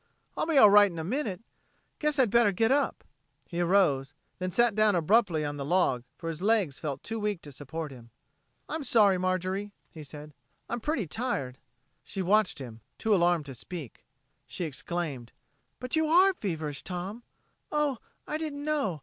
"I'll be all right in a minute. Guess I'd better get up." He arose, then sat down abruptly on the log, for his legs felt too weak to support him. "I'm sorry, Marjorie," he said. "I'm pretty tired." She watched him, too alarmed to speak. She exclaimed: "But you are feverish, Tom. Oh, I didn't know.